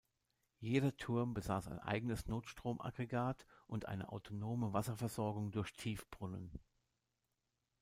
Jeder Turm besaß ein eigenes Notstromaggregat und eine autonome Wasserversorgung durch Tiefbrunnen.